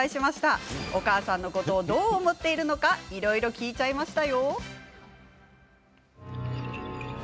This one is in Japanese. お母さんのことをどう思っているのかいろいろ聞いちゃいました。